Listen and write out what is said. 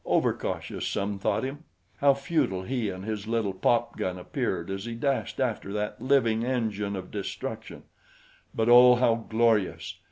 Overcautious, some thought him. How futile he and his little pop gun appeared as he dashed after that living engine of destruction! But, oh, how glorious!